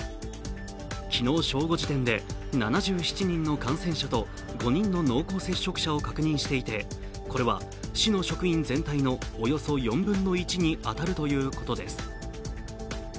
昨日正午時点で７７人の感染者と５人の濃厚接触者を確認していてこれは市の職員全体のおよそ４分の１に当たるということです。